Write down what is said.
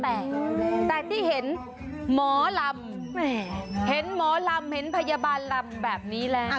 แต่คุณแห่งนี้ที่เห็นหมอลำเห็นหมอลำเห็นพยาบาลลำแบบนี้แหละ